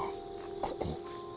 ここ